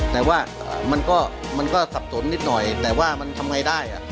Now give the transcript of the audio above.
แต่ว่ามันก็สับสนนิดหน่อยแต่ว่ามันทำไงได้